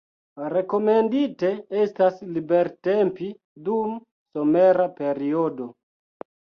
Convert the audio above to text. Rekomendite estas libertempi dum somera periodo.